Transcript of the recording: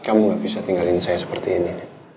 kamu gak bisa tinggalin saya seperti ini